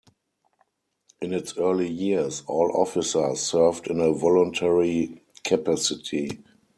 In its early years, all officers served in a voluntary capacity.